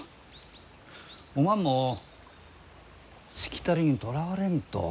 おまんもしきたりにとらわれんと。